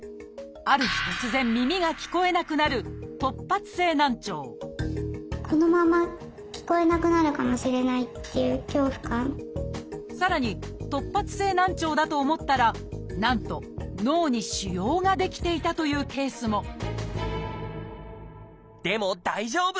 ある日突然耳が聞こえなくなるさらに突発性難聴だと思ったらなんと脳に腫瘍が出来ていたというケースもでも大丈夫！